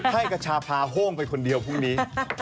ให้กระชาพาโฮ้งไปคนเดียวพรุ่งนี้